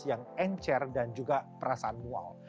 penyebabnya adalah virus yang encer dan juga perasaan mual